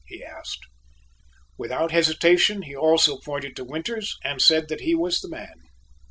he asked. Without hesitation he also pointed to Winters and said that he was the man.